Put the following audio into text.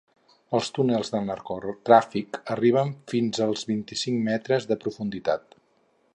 Els túnels del narcotràfic arriben fins als vint-i-cinc metres de profunditat.